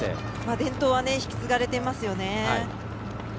伝統は引き継がれています。